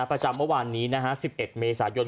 ประจำเมื่อวานนี้๑๑เมษายน